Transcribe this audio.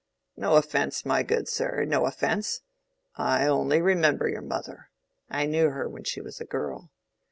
"No offence, my good sir, no offence! I only remember your mother—knew her when she was a girl.